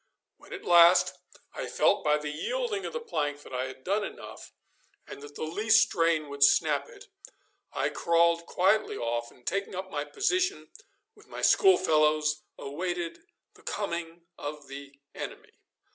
When at last I felt by the yielding of the plank that I had done enough, and that the least strain would snap it, I crawled quietly off, and taking up my position with my schoolfellows, awaited the coming of the enemy.